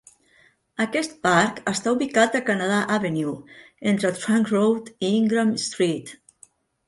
Aquest parc està ubicat a Canada Avenue, entre Trunk Road i Ingram Street.